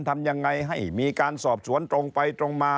ทำยังไงให้มีการสอบสวนตรงไปตรงมา